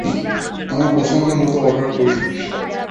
আমার পছন্দমতো অর্ডার করি।